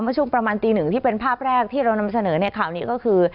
ช่วงประมาณตีหนึ่งที่เป็นภาพแรกที่เรานำเสนอในข่าวนี้ก็คือ